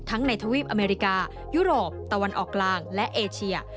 ในทวีปอเมริกายุโรปตะวันออกกลางและเอเชีย